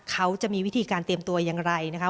เขาจะมีวิธีการเตรียมตัวอย่างไรนะคะ